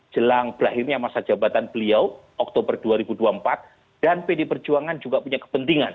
jelang berakhirnya masa jabatan beliau oktober dua ribu dua puluh empat dan pd perjuangan juga punya kepentingan